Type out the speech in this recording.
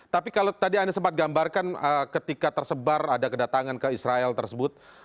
tapi kalau tadi anda sempat gambarkan ketika tersebar ada kedatangan ke israel tersebut